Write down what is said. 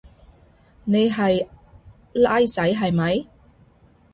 你係孻仔係咪？